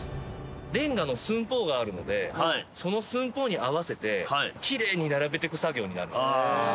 レンガの寸法があるので、その寸法に合わせて、きれいに並べてく作業になるんです。